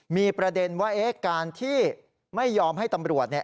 มีประเด็นว่าการที่ไม่ยอมให้ตำรวจเนี่ย